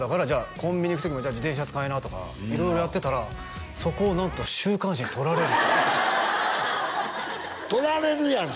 コンビニ行く時も自転車使いなとか色々やってたらそこをなんと週刊誌に撮られる撮られるやん